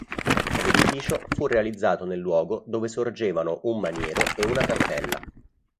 L'edificio fu realizzato nel luogo dove sorgevano un maniero e una cappella.